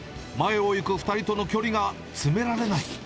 前を行く２人との距離が詰められない。